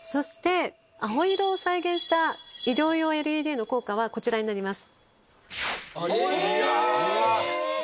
青色を再現した医療用ＬＥＤの効果はこちらになります。